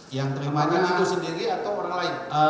yang terimanya itu sendiri atau orang lain